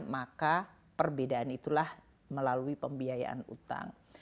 maka perbedaan itulah melalui pembiayaan utang